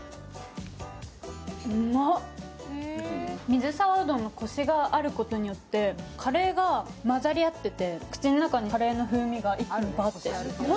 水沢うどんのこしがあることによってカレーが混ざり合ってて、口の中にカレーの風味が一気にバーって。